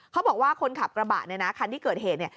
เขาบอกว่าคนขับกระบะในคันที่เกิดเหตุ